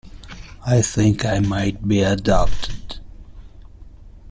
I think I might be adopted.